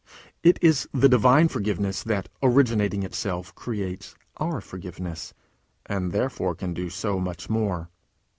It is the Divine forgiveness that, originating itself, creates our forgiveness, and therefore can do so much more.